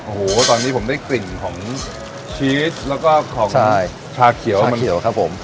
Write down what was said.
โอ้โหตอนนี้ผมได้กลิ่นของชีสแล้วก็ของชาเขียวมันเขียวครับผม